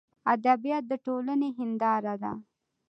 ادبیات دټولني هنداره ده.